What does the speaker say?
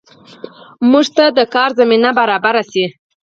موږ ته د کار زمینه برابره شي